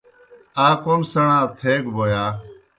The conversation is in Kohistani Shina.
آ کوْم سیْݨا تھیگہ بوْ یا؟